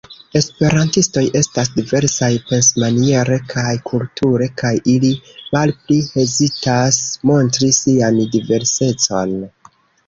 Esperantistoj estas diversaj pensmaniere kaj kulture, kaj ili malpli hezitas montri sian diversecon.